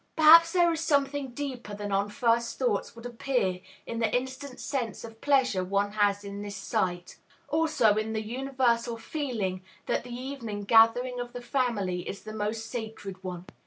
Perhaps there is something deeper than on first thoughts would appear in the instant sense of pleasure one has in this sight; also, in the universal feeling that the evening gathering of the family is the most sacred one.